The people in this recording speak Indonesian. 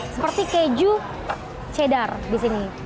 seperti keju cheddar di sini